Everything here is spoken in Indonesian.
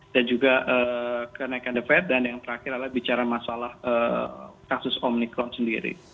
dan juga kenaikan the fed dan yang terakhir adalah bicara masalah kasus omicron sendiri